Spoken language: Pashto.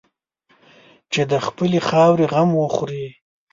چې د خپلې خاورې غم وخوري.